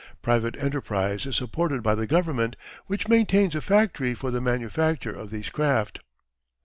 Private enterprise is supported by the Government, which maintains a factory for the manufacture of these craft.